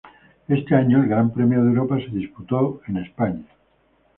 Ese año, el Gran Premio de Europa se disputó en España.